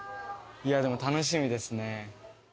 いやでも楽しみですね。